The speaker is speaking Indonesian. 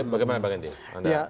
bagaimana pak gendi